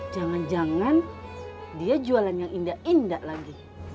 jangan jangan dia jualan yang indah indah lagi